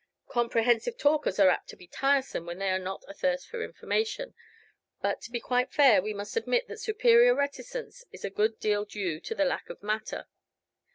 Comprehensive talkers are apt to be tiresome when we are not athirst for information, but, to be quite fair, we must admit that superior reticence is a good deal due to the lack of matter.